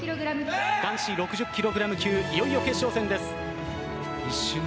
男子６０キログラム級、いよいよ決勝戦です。